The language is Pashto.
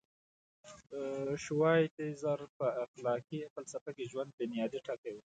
شوایتزر په اخلاقي فلسفه کې ژوند بنیادي ټکی و.